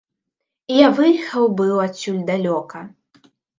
І я выехаў быў адсюль далёка.